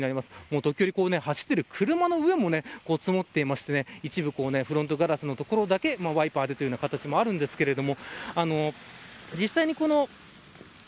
時折、走っている車の上も積もっていまして一部、フロントガラスのところだけ、ワイパーでというような形もあるんですけれども。